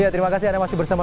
terima kasih anda masih bersama